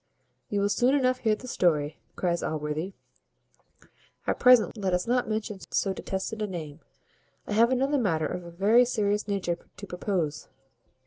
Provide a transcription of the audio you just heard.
"You will soon enough hear the story," cries Allworthy; "at present let us not mention so detested a name. I have another matter of a very serious nature to propose.